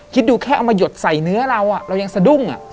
คิดดูแค่เอามาหยดใส่เนื้อเราเรายังสะดุ้ง